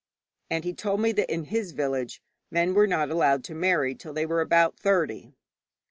And he told me that in his village men were not allowed to marry till they were about thirty.